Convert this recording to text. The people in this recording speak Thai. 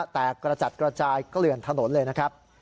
กระจัดกระจายเกลื่อนถนนเลยนะครับ